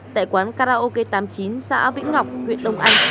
tại quán karaoke tám mươi chín xã vĩnh ngọc huyện đông anh